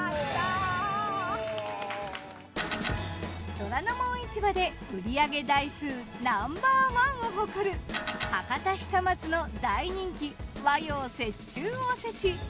『虎ノ門市場』で売り上げ台数ナンバーワンを誇る博多久松の大人気和洋折衷おせち。